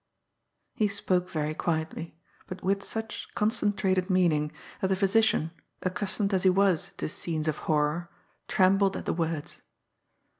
He spoke very quietly, but with such concentrated mean ing that the physician, accustomed as he was to scenes of hprror, trembled at the words.